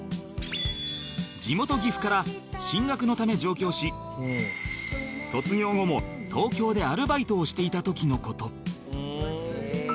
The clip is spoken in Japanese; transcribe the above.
地元岐阜から進学のため上京し卒業後も東京でアルバイトをしていた時の事